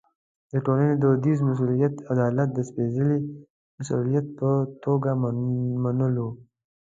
د ټولنې دودیز مسوولیت عدالت د سپېڅلي مسوولیت په توګه منلو.